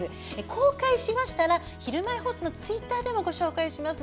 公開したら「ひるまえほっと」のツイッターでもお知らせします。